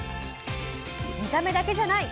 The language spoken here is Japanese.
見た目だけじゃない！